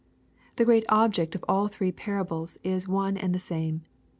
— The great object of all the three parables is one and the same.